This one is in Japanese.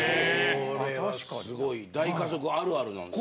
それはすごい大家族あるあるなんですね。